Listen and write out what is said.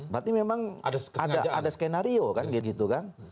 berarti memang ada skenario kan